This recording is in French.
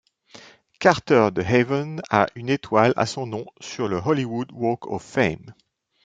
Carter DeHaven a une étoile à son nom sur le Hollywood Walk of Fame.